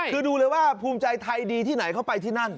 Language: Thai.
คือดูเลยว่าภูมิใจไทยดีที่ไหนเข้าไปที่นั่น